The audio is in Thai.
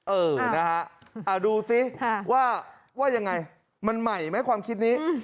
เออนะฮะดูสิว่ายังไงมันใหม่ไหมความคิดนี้